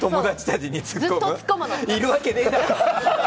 いるわけねえだろ！